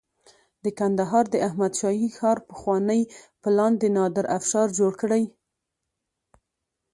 د کندهار د احمد شاهي ښار پخوانی پلان د نادر افشار جوړ کړی